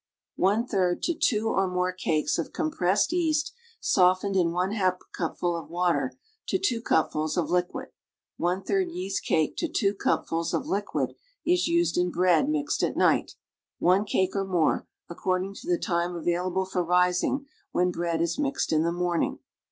,'3 to 2 or more cakes of compressed yeast softened in yi cupful of water to i cupfuls of liquid ('3 yeast cake to 2 cupfuls of liquid is used in bread mixed at night, 1 cake or more, according to the time available for rising when bread is mixed in the morning.